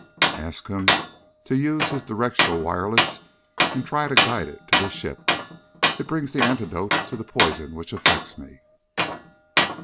Ask him to use his directional wireless and try to guide it to the ship. It brings the antidote to the poison which affects me."